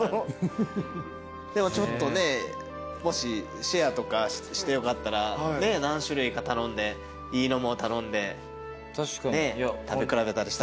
ちょっとねもしシェアとかしてよかったら何種類か頼んでいいのも頼んで食べ比べたりしたいですね。